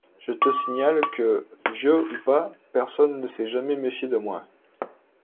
Je te signale que, vieux ou pas, personne ne s’est jamais méfié de moi.